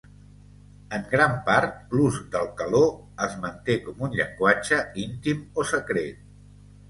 En gran part, l'ús del caló es manté com un llenguatge íntim o secret.